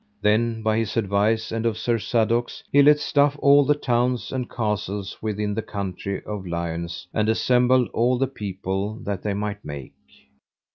Then by his advice and of Sir Sadok's, he let stuff all the towns and castles within the country of Liones, and assembled all the people that they might make.